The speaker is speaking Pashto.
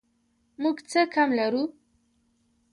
موږ څه کم لرو